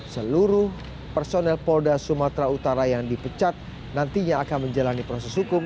seluruh personel polda sumatera utara yang dipecat nantinya akan menjalani proses hukum